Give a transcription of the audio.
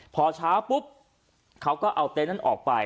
พอเช้าปุ๊บเขาก็เอาเต็นต์นั้นออกไป